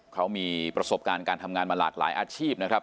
เขามีประสบการณ์การทำงานมาหลากหลายอาชีพนะครับ